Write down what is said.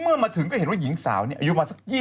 เมื่อมาถึงก็เห็นว่าหญิงสาวนี่อายุมา๒๑๒๓ปี